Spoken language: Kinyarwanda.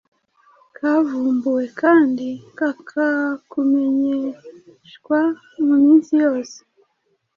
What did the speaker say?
kavumbuwe kandi kakakumenyeshwa muminsi yose